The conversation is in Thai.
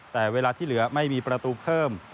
แต่เวลาที่เหลือไม่มีประตูเพิ่ม